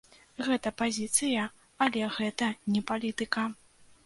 Гэта пазіцыя, але гэта не палітыка.